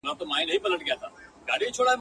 انلاین رسنۍ ورځ تر بلې پراخېږي